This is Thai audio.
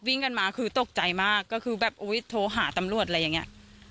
วิ่งกันมาคือตกใจมากก็คือแบบโทรหาตำรวจอะไรอย่างนี้